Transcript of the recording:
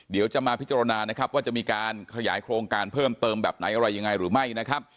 เดี๋ยวจะมาพิจารณานะครับว่าจะมีการขยายโครงการเพิ่มเติมแบบไหนอะไรยังไงหรือไม่นะครับ